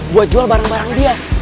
buat jual barang barang dia